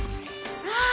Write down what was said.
ああ！